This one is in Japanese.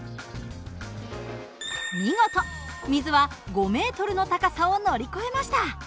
見事水は５ｍの高さを乗り越えました。